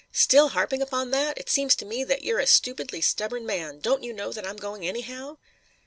"Still harping upon that? It seems to me that you're a stupidly stubborn man. Don't you know that I'm going anyhow?"